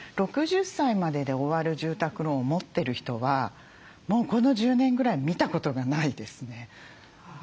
６０歳までで終わる住宅ローンを持ってる人はもうこの１０年ぐらい見たことがないですね。